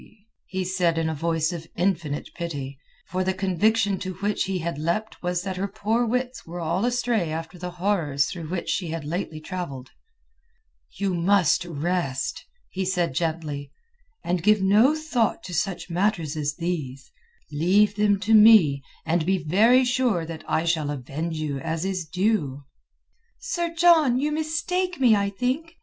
he said in a voice of infinite pity; for the conviction to which he had leapt was that her poor wits were all astray after the horrors through which she had lately travelled. "You must rest," he said gently, "and give no thought to such matters as these. Leave them to me, and be very sure that I shall avenge you as is due." "Sir John, you mistake me, I think.